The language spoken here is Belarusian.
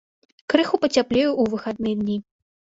Крыху пацяплее ў выхадныя дні.